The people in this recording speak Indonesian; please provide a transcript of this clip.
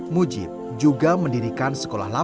mujib juga mendirikan sekolah lampung